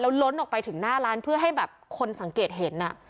ล้นออกไปถึงหน้าร้านเพื่อให้แบบคนสังเกตเห็น